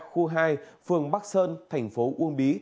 khu hai phường bắc sơn thành phố long xuyên